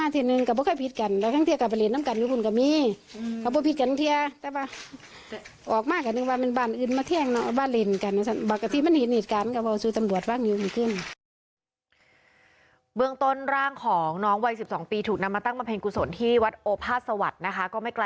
เธอก็เลยรีบบอกคนในบ้านให้แจ้งตำรวจค่ะ